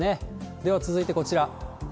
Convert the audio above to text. では続いてこちら。